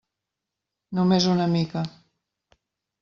Només una mica.